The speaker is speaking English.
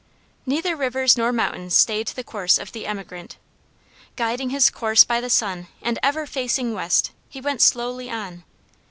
Neither rivers nor mountains stayed the course of the emigrant. Guiding his course by the sun, and ever facing the West, he went slowly on.